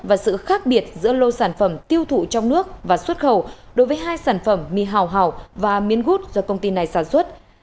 và sự khác biệt giữa lô sản phẩm tiêu thụ trong nước và xuất khẩu đối với hai sản phẩm mì hào và miến gút do công ty này sản xuất